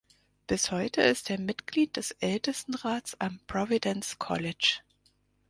Bis heute ist er Mitglied des Ältestenrats am Providence College.